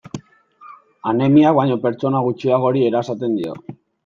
Anemiak baino pertsona gutxiagori erasaten dio.